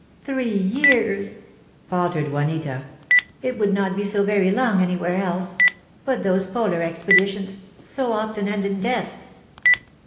"Three years," faltered Juanita. "It would not be so very long anywhere else — but those Polar expeditions so often end in deaths."